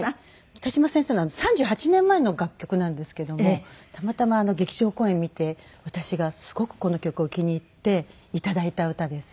北島先生の３８年前の楽曲なんですけどもたまたま劇場公演見て私がすごくこの曲を気に入って頂いた歌です。